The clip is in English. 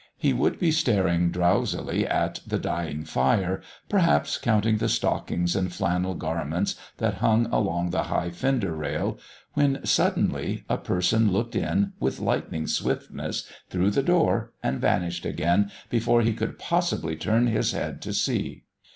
He would be staring drowsily at the dying fire, perhaps counting the stockings and flannel garments that hung along the high fender rail when, suddenly, a person looked in with lightning swiftness through the door and vanished again before he could possibly turn his head to see.